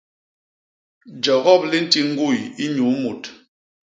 Jogop li nti ñguy i nyuu mut.